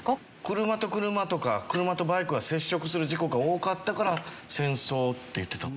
車と車とか車とバイクが接触する事故が多かったから戦争って言ってた。